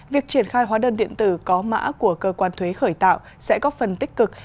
việc triển khai hóa đơn điện tử có mã của cơ quan thuế khởi tạo sẽ góp phần tích cực